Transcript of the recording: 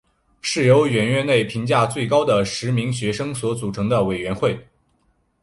是由远月内评价最高的十名学生所组成的委员会。